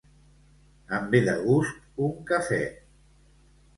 Em ve de gust un cafè.